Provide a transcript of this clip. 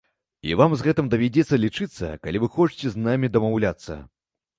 І вам з гэтым давядзецца лічыцца, калі вы хочаце з намі дамаўляцца.